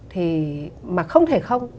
thì mà không thể không